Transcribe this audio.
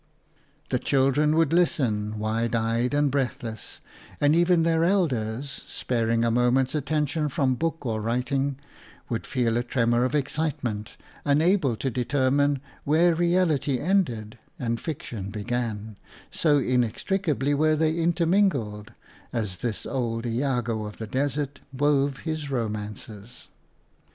The children would listen, wide eyed and breathless, and even their elders, sparing a moment's attention from book or writing, would feel a tremor of excitement, unable to determine where reality ended and fiction began, so inextricably were they intermingled io OUTA KARELS STORIES as this old I ago of the desert wove his romances.